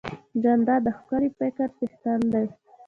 جانداد د ښکلي فکر څښتن دی.